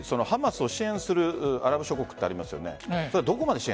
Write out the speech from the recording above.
一方でハマスを支援するアラブ諸国がありますよね。